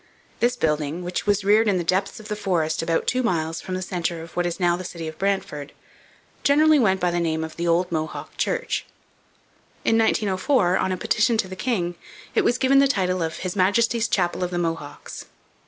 This building, which was reared in the depths of the forest about two miles from the centre of what is now the city of Brantford, generally went by the name of 'The Old Mohawk Church.' In 1904, on a petition to the king, it was given the title of 'His Majesty's Chapel of the Mohawks.'